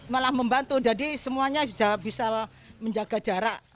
malah membantu jadi semuanya sudah bisa menjaga jarak